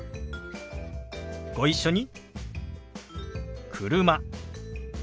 ご一緒に。